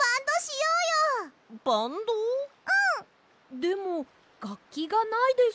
でもがっきがないです。